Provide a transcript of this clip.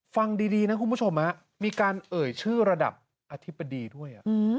ฟังดีนะคุณผู้ชมมีการเอ่ยชื่อระดับอธิบดีด้วย